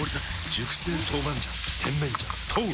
熟成豆板醤甜麺醤豆！